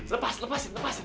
lepas lepasin lepasin